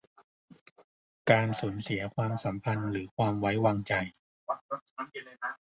การสูญเสียความสัมพันธ์หรือความไว้วางใจ